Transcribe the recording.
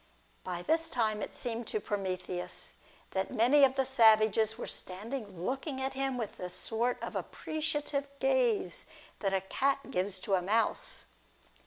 By this tirae it seemed to Prometheus that many of the savages were standing looking at him with the sort of appreciative gaze that a cat gives to a mouse.